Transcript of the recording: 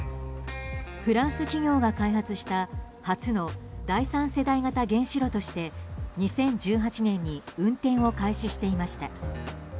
フランス企業が開発した初の第三世代型原子炉として２０１８年に運転を開始していました。